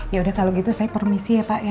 yaudah kalau gitu saya permisi ya pak